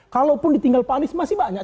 kalaupun ditinggal pak anies masih banyak